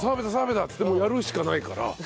っつってもうやるしかないから。